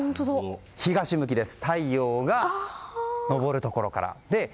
東向き、太陽が昇るところ向き。